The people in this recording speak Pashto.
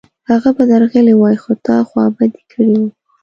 هغه به درغلی وای، خو تا خوابدی کړی و